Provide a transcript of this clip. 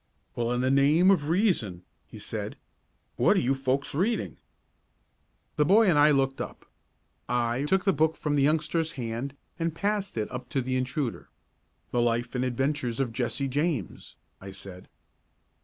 "Well, in the name of reason," he said, "what are you folks reading?" The boy and I looked up. I took the book from the youngster's hand and passed it up to the intruder. "The life and adventures of Jesse James," I said.